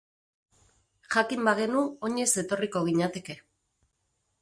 Jakin bagenu oinez etorriko ginateke.